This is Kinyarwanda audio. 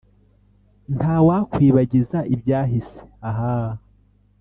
ntawakwibagiza ibyahise, aaah